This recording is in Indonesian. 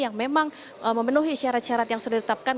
yang memang memenuhi syarat syarat yang sudah ditetapkan